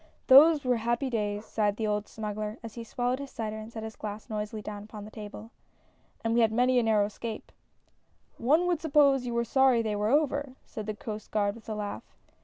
HOSE were happy days !" sighed the old smug I gler as he swallowed his cider and set his glass noisily down upon the table, "and we had many a narrow escape !"" One would suppose you were sorry they were over !" said the Coast Guard, with a laugh.